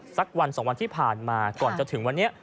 สักวันสองวันที่ผ่านมาก่อนจะถึงวันนี้